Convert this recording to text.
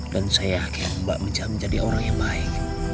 dan saya yakin mbak menjadi orang yang baik